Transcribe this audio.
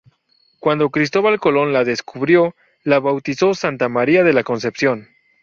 Cuando Cristóbal Colón la descubrió, la bautizó Santa María de la Concepción.